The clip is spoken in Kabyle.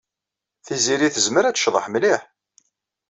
Tiziri tezmer ad tecḍeḥ mliḥ.